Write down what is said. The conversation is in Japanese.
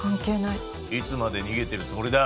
いつまで逃げてるつもりだ？